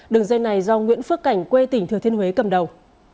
đường dây này do nguyễn phước cảnh quê tỉnh thừa thiên huế cầm đầu